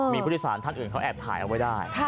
มีผู้โดยสารท่านอื่นเขาแอบถ่ายเอาไว้ได้